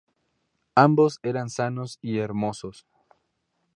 Ambos eran sanos y hermosos.